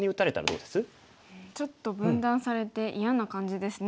うんちょっと分断されて嫌な感じですね